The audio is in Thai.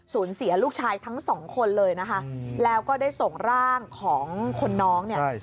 เสียลูกชายทั้งสองคนเลยนะคะแล้วก็ได้ส่งร่างของคนน้องเนี่ย